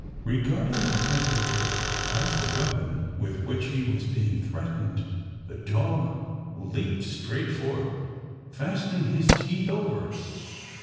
Kegarding the handkerchief as the weapon with which he was being threatened, the dog leaped straight for it, fastening his teeth over it.